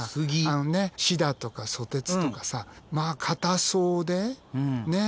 シダとかソテツとかさまあ硬そうでねえ。